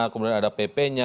kemudian ada ppnya